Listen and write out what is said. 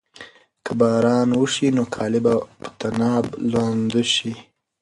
که باران وشي نو کالي به په طناب لوند شي.